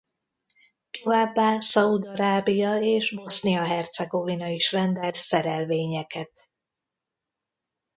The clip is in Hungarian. Továbbá Szaúd-Arábia és Bosznia-Hercegovina is rendelt szerelvényeket.